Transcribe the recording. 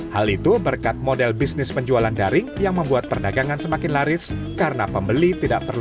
hal itu berkat model bisnis penjualan daring yang membuat perdagangan semakin laris karena pembeli tidak perlu